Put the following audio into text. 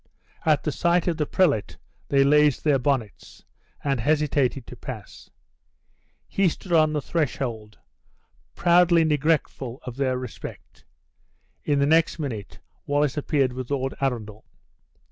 At the sight of the prelate they raised their bonnets, and hesitated to pass. He stood on the threshold, proudly neglectful of their respect. In the next minute, Wallace appeared with Lord Arundel.